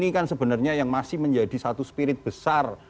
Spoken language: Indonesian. ini kan sebenarnya yang masih menjadi satu spirit besar